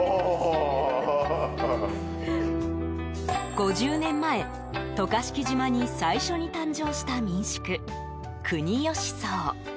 ５０年前、渡嘉敷島に最初に誕生した民宿・国吉荘。